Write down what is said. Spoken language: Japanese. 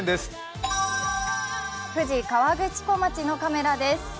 富士河口湖町のカメラです。